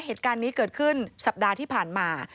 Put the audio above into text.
เหตุการณ์นี้เกิดขึ้นสัปดาห์ที่ผ่านมา